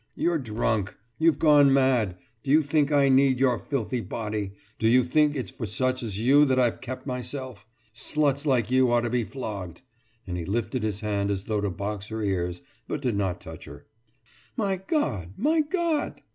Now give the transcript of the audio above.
You're drunk. You've gone mad! Do you think I need your filthy body? Do you think it's for such as you that I've kept myself? Sluts like you ought to be flogged!« And he lifted his hand as though to box her ears, but did not touch her. »My God! My God!